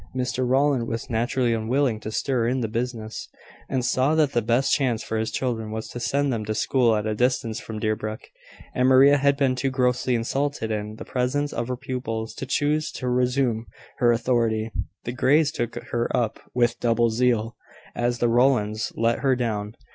Mr Rowland was naturally unwilling to stir in the business, and saw that the best chance for his children was to send them to school at a distance from Deerbrook: and Maria had been too grossly insulted in the presence of her pupils to choose to resume her authority. The Greys took her up with double zeal, as the Rowlands let her down.